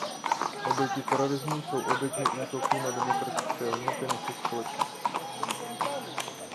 Oběti terorismu jsou oběťmi útoků na demokratické hodnoty našich společností.